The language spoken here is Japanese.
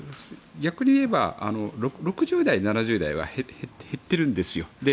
逆に言えば６０代、７０代は減っているんですよ。